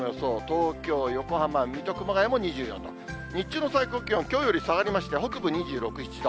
東京、横浜、水戸、熊谷も２４度、日中の最高気温、きょうより下がりまして、北部２６、７度。